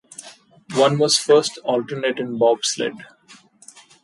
One was first alternate in Bobsled.